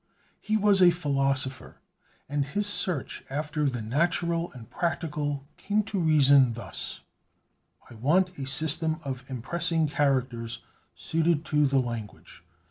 He was a philosopher, and in his search after the natural and practical came to reason thus: "I want a system of impressing characters suited to the language.